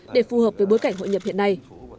để phù hợp với bối cảnh hội nhập hiện nay